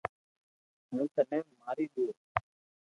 ھون ٿني ماري دآيو